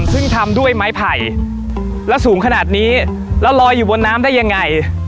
ซึ่งทำด้วยไม้ไผ่แล้วสูงขนาดนี้แล้วลอยอยู่บนน้ำได้ยังไง